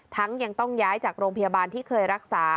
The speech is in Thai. ยังต้องย้ายจากโรงพยาบาลที่เคยรักษา